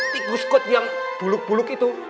tikus got yang buluk buluk itu